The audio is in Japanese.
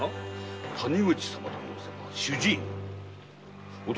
谷口様と申せば主治医の？